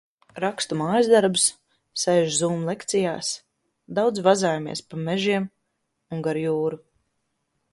Rakstu mājasdarbus, sēžu "Zūm" lekcijās. Daudz vazājamies pa mežiem un gar jūru.